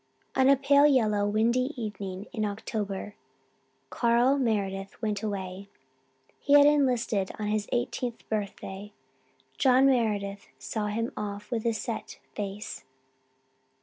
On a pale yellow, windy evening in October Carl Meredith went away. He had enlisted on his eighteenth birthday. John Meredith saw him off with a set face.